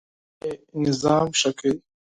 مالټې د هاضمې سیستم ښه کوي.